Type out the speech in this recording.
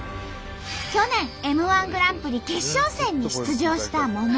去年Ｍ−１グランプリ決勝戦に出場したもも。